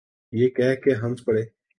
یہ کہہ کے ہنس پڑے۔